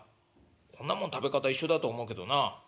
「こんなもん食べ方一緒だと思うけどな。